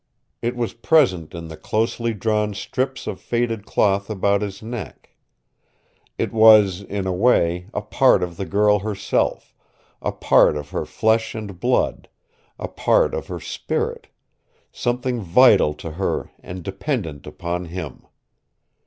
It was present in the closely drawn strips of faded cloth about his neck. It was, in a way, a part of the girl herself, a part of her flesh and blood, a part of her spirit something vital to her and dependent upon him.